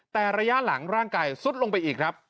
แต่ระยะหลังร่างกายซุดลงไปอีกครับ